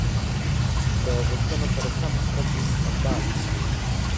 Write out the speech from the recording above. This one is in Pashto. له غوښتنو سره سم خپل دین سمبال کړي.